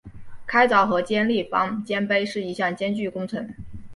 开凿和竖立方尖碑是一项艰巨工程。